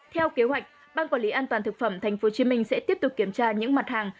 theo kế hoạch ban quản lý an toàn thực phẩm tp hcm sẽ tiếp tục kiểm tra những mặt hàng